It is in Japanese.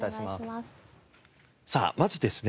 さあまずですね